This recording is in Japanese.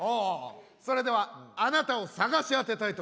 それではあなたを探し当てたいと思います。